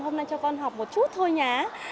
hôm nay cho con học một chút thôi nhá